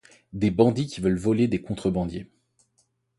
Des bandits qui veulent voler des contrebandiers.